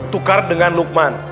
tukar dengan lukman